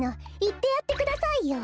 いってやってくださいよ。